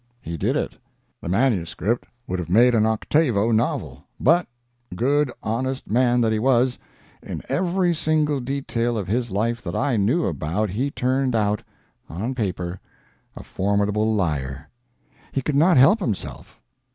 He did it. The manuscript would have made an octavo volume, but—good, honest man that he was—in every single detail of his life that I knew about he turned out, on paper, a formidable liar. He could not help himself.